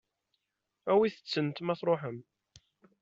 Awit-tent ma tṛuḥem.